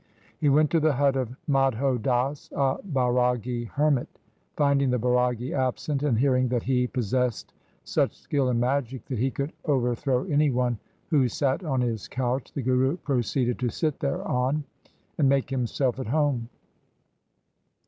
He went to the hut of Madho Das, a Bairagi hermit. Finding the Bairagi absent, and hearing that he possessed such skill in magic that he could over throw any one who sat on his couch, the Guru proceeded to sit thereon and make himself at home.